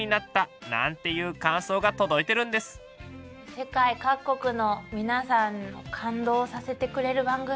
世界各国の皆さんを感動させてくれる番組ね。